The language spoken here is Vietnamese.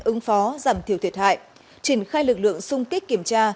ứng phó giảm thiểu thiệt hại triển khai lực lượng sung kích kiểm tra